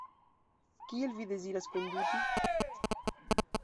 Kiel vi deziras konduti?